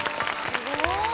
すごいな。